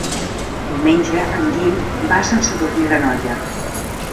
Diumenge en Guim va a Sant Sadurní d'Anoia.